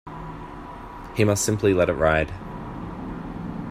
He must simply let it ride.